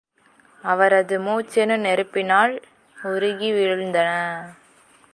அவரது மூச்செனு நெருப்பினால் உருகி வீழ்ந்தன.